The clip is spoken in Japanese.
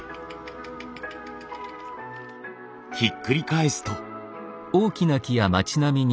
ひっくり返すと。